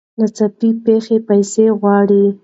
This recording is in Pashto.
ناڅاپي پېښې پیسې غواړي.